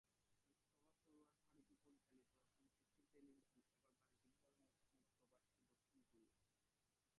মোস্তফা সরয়ার ফারুকী পরিচালিত চলচ্চিত্র টেলিভিশন এবার বাণিজ্যিকভাবে মুক্তি পাচ্ছে দক্ষিণ কোরিয়ায়।